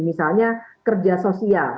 misalnya kerja sosial